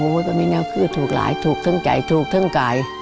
โอ้โฮแบบนี้เนี่ยคือถูกหลายถูกทั้งใจถูกทั้งกาย